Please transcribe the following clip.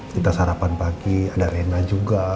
kita sarapan pagi ada rena juga